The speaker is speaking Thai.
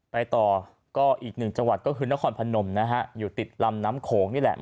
ไปต่อก็อีกหนึ่งจังหวัดก็คือนครพนมนะฮะอยู่ติดลำน้ำโขงนี่แหละ